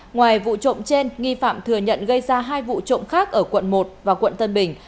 ngoài vụ trộm trên nghi phạm thừa nhận gây ra hai vụ trộm khác ở quận một và quận tân bình